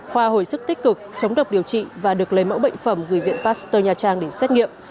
khoa hồi sức tích cực chống độc điều trị và được lấy mẫu bệnh phẩm gửi viện pasteur nha trang để xét nghiệm